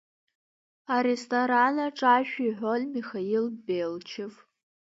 Аресторанаҿ ашәа иҳәон Михаил Белчев.